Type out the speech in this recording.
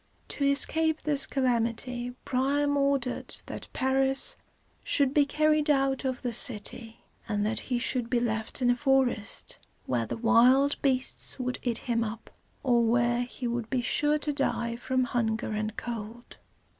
To escape this calamity, Priam ordered that Paris should be carried out of the city, and that he should be left in a forest, where the wild beasts would eat him up, or where he would be sure to die from hunger and cold.